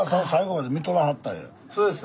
そうです。